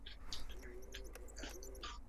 缅甸童军总会为缅甸的国家童军组织。